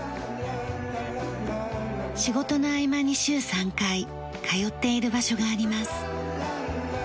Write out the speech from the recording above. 仕事の合間に週３回通っている場所があります。